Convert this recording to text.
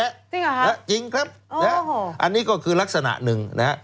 จริงหรือครับจริงครับนะอันนี้ก็คือลักษณะหนึ่งนะ